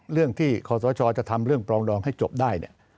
เรื่องที่ข้อตร๊อชอจะทำเรื่องปลองดองให้จบได้